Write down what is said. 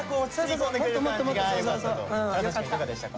金指くんいかがでしたか？